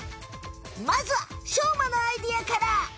まずはしょうまのアイデアから。